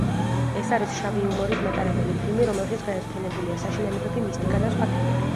ეს არის შავი იუმორის მატარებელი ფილმი, რომელშიც გაერთიანებულია საშინელებები, მისტიკა და სხვა თემები.